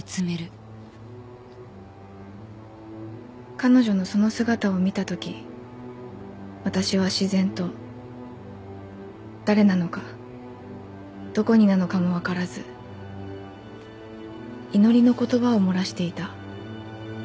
彼女のその姿を見た時私は自然と誰なのかどこになのかも分からず祈りの言葉を漏らしていた